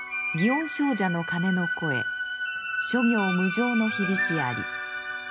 園精舎の鐘の声諸行無常の響きあり。